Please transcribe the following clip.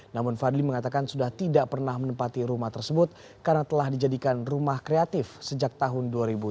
namun fadli mengatakan sudah tidak pernah menempati rumah tersebut karena telah dijadikan rumah kreatif sejak tahun dua ribu tujuh belas